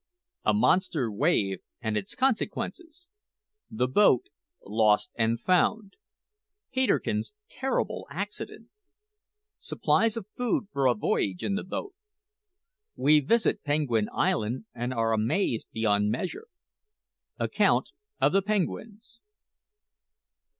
A MONSTER WAVE AND ITS CONSEQUENCES THE BOAT LOST AND FOUND PETERKIN'S TERRIBLE ACCIDENT SUPPLIES OF FOOD FOR A VOYAGE IN THE BOAT WE VISIT PENGUIN ISLAND, AND ARE AMAZED BEYOND MEASURE ACCOUNT OF THE PENGUINS.